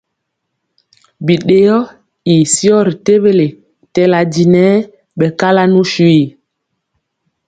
Biɗeyɔ ii syɔ ri tewele tɛla di nɛ ɓɛ kala nu swi.